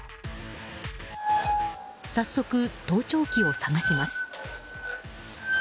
早速、盗聴器を探します。